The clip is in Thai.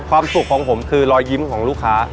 ความสุขของผมคือรอยยิ้มของลูกค้า